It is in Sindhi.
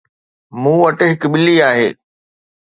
مون وٽ هڪ ٻلي آهي